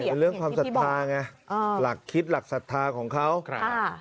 คือความสธาหลักคิดเหรอ